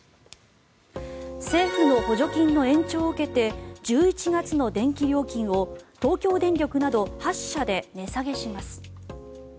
政府の補助金の延長を受けて１１月の電気料金を東京電力など８社で値下げします。